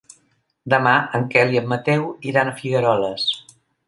Demà en Quel i en Mateu iran a Figueroles.